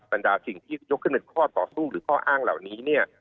บรรดาสิ่งที่ยกขึ้นเป็นข้อต่อสู้หรือข้ออ้างเหล่านี้เนี่ย